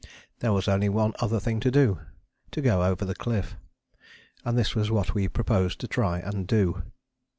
There was only one other thing to do to go over the cliff. And this was what we proposed to try and do.